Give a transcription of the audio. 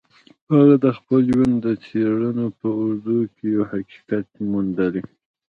هغه د خپل ژوند د څېړنو په اوږدو کې يو حقيقت موندلی.